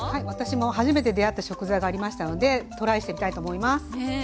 私も初めて出会った食材がありましたのでトライしてみたいと思います。